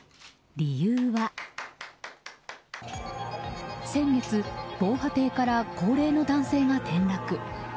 理由は、先月、防波堤から高齢の男性が転落。